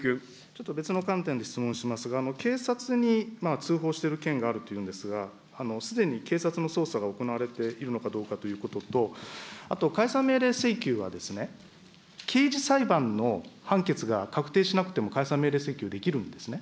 ちょっと別の観点で質問しますが、警察に通報している件があるということですが、すでに警察の捜査が行われているのかどうかということと、あと解散命令請求は、刑事裁判の判決が確定しなくても、解散命令請求できるんですね。